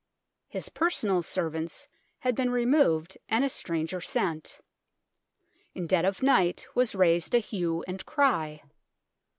His personal servants had been removed and a stranger sent. In dead of night was raised a hue and cry.